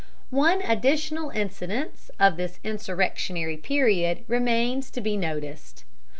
One additional incident of this insurrectionary period remains to be noticed.